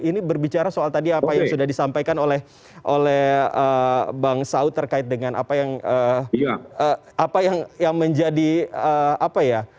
ini berbicara soal tadi apa yang sudah disampaikan oleh bang saud terkait dengan apa yang menjadi apa ya